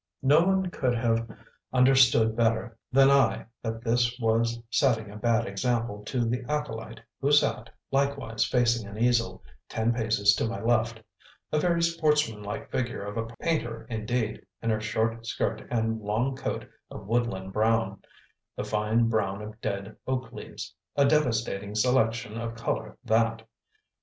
No one could have understood better than I that this was setting a bad example to the acolyte who sat, likewise facing an easel, ten paces to my left; a very sportsmanlike figure of a painter indeed, in her short skirt and long coat of woodland brown, the fine brown of dead oak leaves; a "devastating" selection of colour that!